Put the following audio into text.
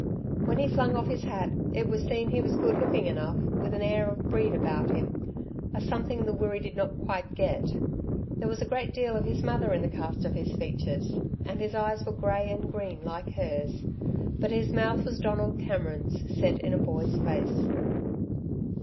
When he flung off his hat, it was seen he was good looking enough, with an air of breed about him, a something the Wirree did not quite get. There was a great deal of his mother in the cast of his features, and his eyes were grey and green like hers, but his mouth was Donald Cameron's set in a boy's face.